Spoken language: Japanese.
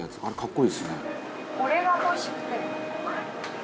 これが欲しくて。